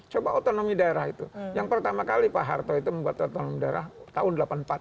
coba otonomi daerah itu yang pertama kali pak harto itu membuat otonomi daerah tahun tujuh puluh empat